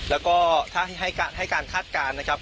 แล้วก็ถ้าให้การคาดการณ์นะครับ